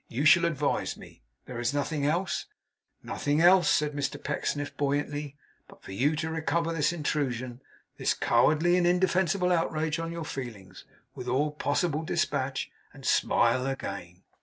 You shall advise me. There is nothing else?' 'Nothing else,' said Mr Pecksniff buoyantly, 'but for you to recover this intrusion this cowardly and indefensible outrage on your feelings with all possible dispatch, and smile again.